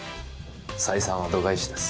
採算は度外視です。